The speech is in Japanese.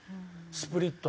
スプリットは。